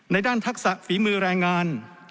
ด้านทักษะฝีมือแรงงาน